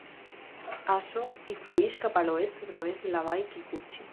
Aso i flueix cap a l'oest a través de la vall Kikuchi.